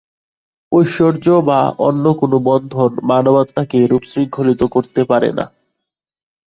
ঐশ্বর্য বা অন্য কোন বন্ধন মানবাত্মাকে এরূপ শৃঙ্খলিত করিতে পারে না।